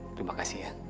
terima kasih ya